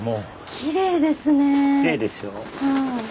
きれいですよ。